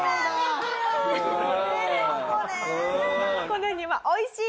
このようにおいしい！